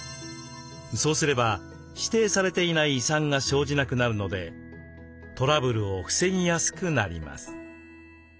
そうすれば「指定されていない遺産」が生じなくなるのでトラブルを防ぎやすくなります。